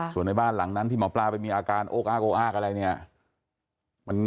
ส่วนในบ้านหลังนั้นพี่หมอปลาไปมีอาการโอ๊กอ้ากโอ๊กอ้ากอะไรอย่างนี้